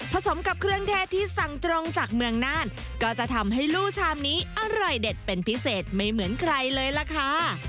สมกับเครื่องเทศที่สั่งตรงจากเมืองน่านก็จะทำให้ลู่ชามนี้อร่อยเด็ดเป็นพิเศษไม่เหมือนใครเลยล่ะค่ะ